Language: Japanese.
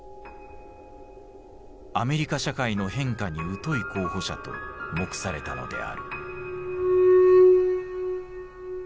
アメリカ社会の変化に疎い候補者と目されたのである。